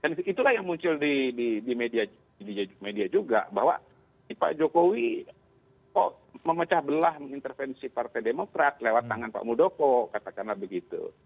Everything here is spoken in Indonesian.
jadi itulah yang muncul di media juga bahwa pak jokowi kok memecah belah intervensi partai demokrat lewat tangan pak budoko katakanlah begitu